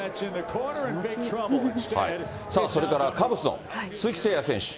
それからカブスの鈴木誠也選手。